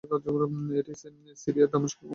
এটি সিরিয়ার দামেস্কের উমাইয়া মসজিদ সংলগ্ন অবস্থিত।